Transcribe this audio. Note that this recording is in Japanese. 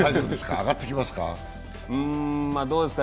上がってきますか？